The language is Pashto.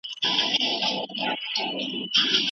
د خلکو چلند ځیني وخت اټکل کیدای سي.